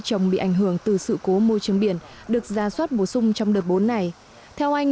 trồng bị ảnh hưởng từ sự cố môi trường biển được ra soát bổ sung trong đợt bốn này theo anh